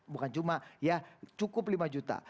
bukan cuma ya cukup lima juta